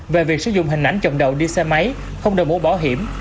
về việc sử dụng hình ảnh chồng đầu đi xe máy không đổi mũ bảo hiểm